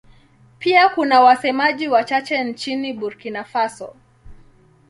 Pia kuna wasemaji wachache nchini Burkina Faso.